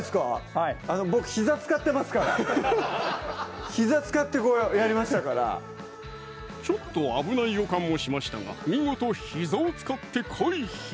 はい僕ひざ使ってますからひざ使ってやりましたからちょっと危ない予感もしましたが見事ひざを使って回避！